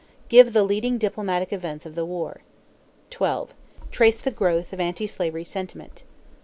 Give the leading diplomatic events of the war. 12. Trace the growth of anti slavery sentiment.